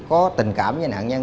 có tình cảm với nạn nhân